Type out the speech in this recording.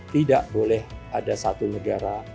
tidak boleh ada satu negara